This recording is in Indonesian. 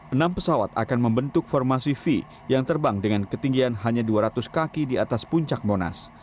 enam pesawat akan membentuk formasi fee yang terbang dengan ketinggian hanya dua ratus kaki di atas puncak monas